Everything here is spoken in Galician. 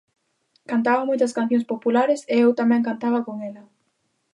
Cantaba moitas cancións populares e eu tamén cantaba con ela.